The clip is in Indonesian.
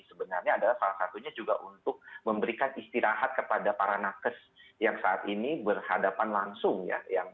sebenarnya adalah salah satunya juga untuk memberikan istirahat kepada para nakes yang saat ini berhadapan langsung ya